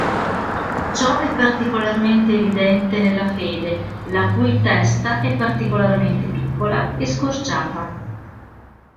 Ciò è particolarmente evidente nella "Fede", la cui testa è particolarmente piccola e scorciata.